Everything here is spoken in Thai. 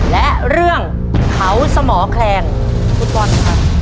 และเรื่องเขาสมอแคลงฟุตบอลครับ